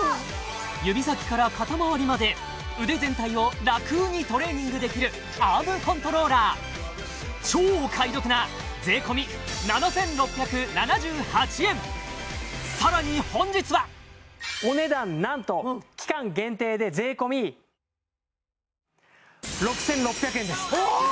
指先から肩周りまで腕全体をラクにトレーニングできるアームコントローラー超お買い得なさらに本日はお値段何と期間限定で税込おおーっ！